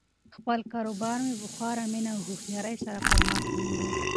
خپل کاروبار مې په خورا مینه او هوښیاري سره پرمخ یووړ.